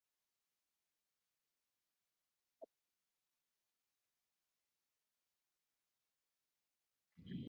Fue nombrado miembro del equipo All-Star de postemporada de la Liga Internacional.